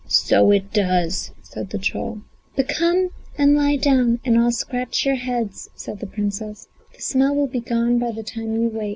"So it does," said the troll. "But come and lie down and I'll scratch your heads," said the Princess; "the smell will be gone by the time you wake."